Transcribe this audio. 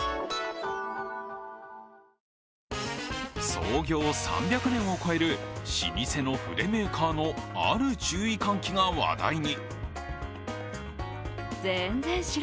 創業３００年を超える老舗の筆メーカーのある注意喚起が話題に。